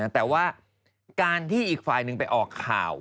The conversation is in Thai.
แต่ว่าการที่อีกฝ่ายหนึ่งไปออกข่าว